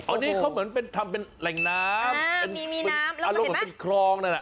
อันนี้เขาเหมือนทำเป็นแหล่งน้ำอารมณ์เหมือนเป็นครองนั่น